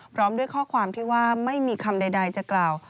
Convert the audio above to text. พร้อมด้วยข้อความที่ว่าไม่มีคำใดจะกล่าว